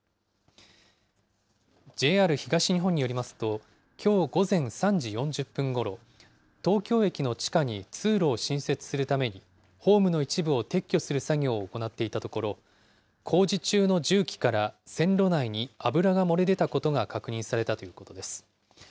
ＪＲ東日本によりますと、きょう午前３時４０分ごろ、東京駅の地下に通路を新設するために、ホームの一部を撤去する作業を行っていたところ、工事中の重機から線路内に油が漏れ出たことが確認されたということです。